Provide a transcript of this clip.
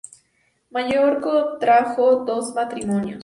Mayor contrajo dos matrimonios.